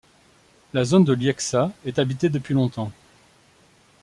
La zone de Lieksa est habitée depuis longtemps.